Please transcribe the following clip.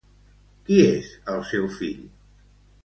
Qui és el seu fill?